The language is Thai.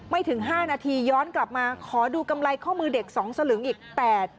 ถึงห้านาทีย้อนกลับมาขอดูกำไรข้อมือเด็กสองสลึงอีกแปด